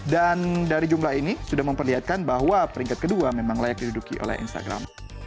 dan dari jumlah ini sudah memperlihatkan bahwa peringkat kedua memang layak diduduki oleh instagram